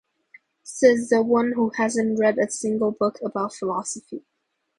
Says the one who hasn't read a single book about philosophy.